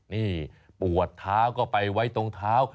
นี่ปวดเท้าก็ไปไว้ตรงเท้า